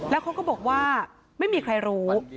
แล้วเขาก็บอกว่าไม่มีใครรู้